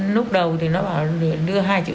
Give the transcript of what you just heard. lúc đầu thì nó bảo đưa hai trăm linh